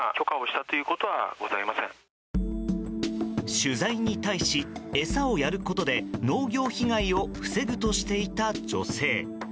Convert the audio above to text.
取材に対し、餌をやることで農業被害を防ぐとしていた女性。